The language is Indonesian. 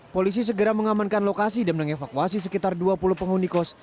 polisi segera mengamankan lokasi dan mengevakuasi sekitar dua puluh penghuni kos